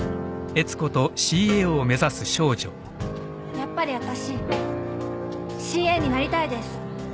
やっぱりわたしＣＡになりたいです！